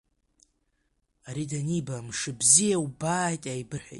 Ари даниба, мшыбзиа, бзиа убааит ааибырҳәеит.